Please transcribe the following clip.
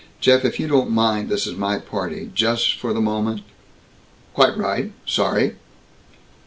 "Jeff, if you don't mind, this is my party, just for the moment!" "Quite right. Sorry!"